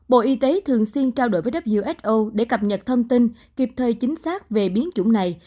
bộ y tế thường xuyên trao đổi với who để cập nhật thông tin kịp thời chính xác về biến chủng này